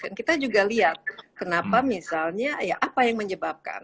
dan kita juga lihat kenapa misalnya ya apa yang menyebabkan